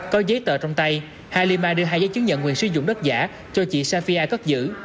có giấy tờ trong tay hai lima đưa hai giấy chứng nhận quyền sử dụng đất giả cho chị safia cất giữ